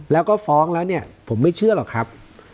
แล้วก็ฟ้องแล้วเนี่ยผมไม่เชื่อหรอกครับ